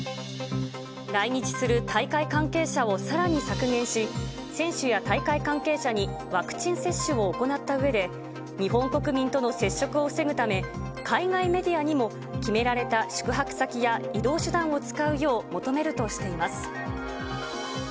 来日する大会関係者をさらに削減し、選手や大会関係者にワクチン接種を行ったうえで、日本国民との接触を防ぐため、海外メディアにも決められた宿泊先や移動手段を使うよう求めるとしています。